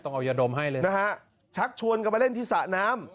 เอายาดมให้เลยนะฮะชักชวนกันไปเล่นที่สระน้ำ